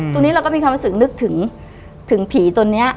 ตรงนี้เราก็มีความรู้สึกนึกถึงผีตัวนี้